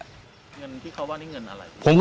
เงินที่เขาว่านี่เงินอะไร